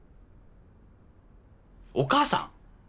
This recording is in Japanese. お母さん！？